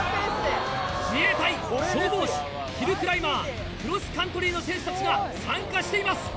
自衛隊、消防士、ヒルクライマー、クロスカントリーの選手たちが参加しています。